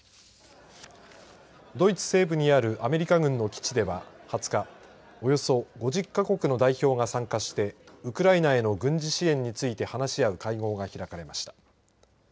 ドイツ西部にあるアメリカ軍の基地では２０日およそ５０か国の代表が参加してウクライナへの軍事支援について話し合う会合が開かれました。